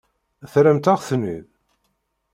Terramt-aɣ-ten-id?